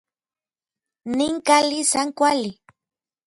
Nin kali san kuali.